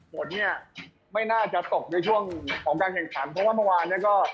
ฝนเนี่ยไม่น่าจะตกในช่วงของการแข่งขันเพราะว่าเมื่อวานเนี่ยก็